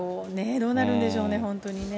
どうなるんでしょうね、本当にね。